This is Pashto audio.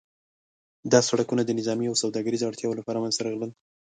دا سړکونه د نظامي او سوداګریز اړتیاوو لپاره منځته راغلل.